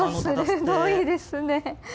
すごいですね。